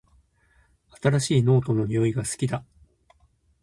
新しいノートの匂いが好きだ